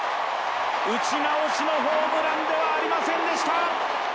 打ち直しのホームランではありませんでした。